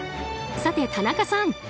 さて、田中さん